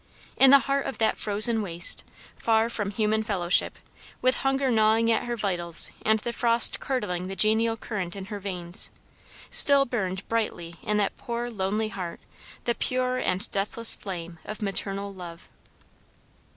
In the heart of that frozen waste, far from human fellowship, with hunger gnawing at her vitals and the frost curdling the genial current in her veins, still burned brightly in that poor lonely heart the pure and deathless flame of maternal love.